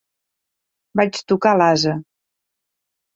Vaig tocar l'ase.